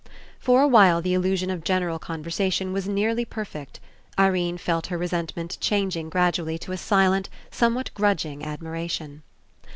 For a while the Illusion of general con versation was nearly perfect. Irene felt her re sentment changing gradually to a silent, some what grudging admiration.